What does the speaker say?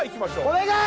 お願い！